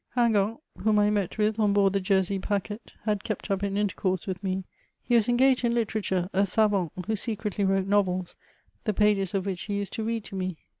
Hingant, whom I met with on board the Jersey packet, had kept up an intercourse with me. He was engaged in literature, a savanfy who secretly wrote novels, the pages of which he used toread to me.